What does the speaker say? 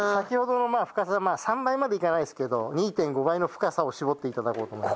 先ほどの深さで３倍まではいかないですけど２．５倍の深さを絞って頂こうと。